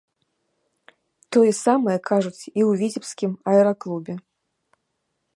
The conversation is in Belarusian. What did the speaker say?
Тое самае кажуць і ў віцебскім аэраклубе.